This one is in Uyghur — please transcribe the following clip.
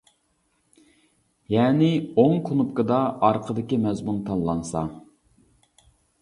يەنى ئوڭ كۇنۇپكىدا ئارقىدىكى مەزمۇن تاللانسا.